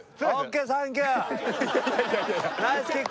ナイスキック！